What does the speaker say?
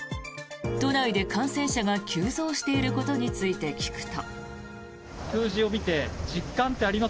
都内で感染者が急増していることについて聞くと。